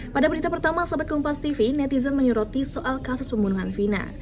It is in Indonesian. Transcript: pada berita pertama sahabat kompas tv netizen menyoroti soal kasus pembunuhan vina